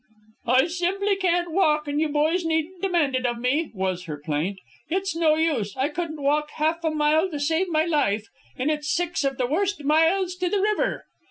"I simply can't walk, and you boys needn't demand it of me," was her plaint. "It's no use. I couldn't walk half a mile to save my life, and it's six of the worst miles to the river."